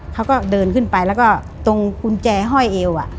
เขาก็เดินขึ้นไปแล้วก็ตรงกุญแจห้อยเอว